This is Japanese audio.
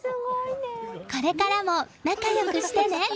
これからも仲良くしてね。